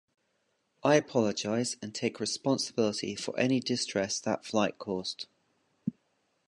I apologize and take responsibility for any distress that flight caused.